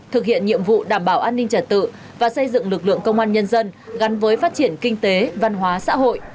thực hiện nhiệm vụ đảm bảo an ninh trật tự và xây dựng lực lượng công an nhân dân gắn với phát triển kinh tế văn hóa xã hội